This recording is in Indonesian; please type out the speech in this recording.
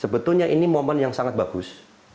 sebetulnya ini momen yang sangat bagus